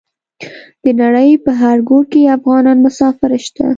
د نړۍ په هر ګوټ کې افغانان مسافر شته.